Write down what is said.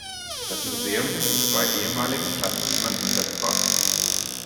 Das Museum ist in zwei ehemaligen Klassenzimmern untergebracht.